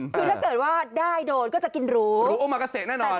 คือถ้าเกิดว่าได้โดนก็จะกินรู้โอมากาเซแน่นอน